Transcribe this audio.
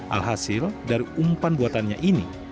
alhasil dari umpan buatannya ini